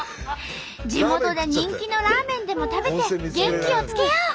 地元で人気のラーメンでも食べて元気をつけよう！